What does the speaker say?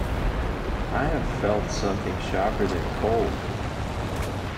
I have felt something sharper than cold.